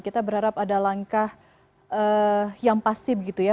kita berharap ada langkah yang pasti begitu ya